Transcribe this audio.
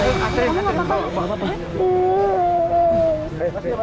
kamu gak apa apa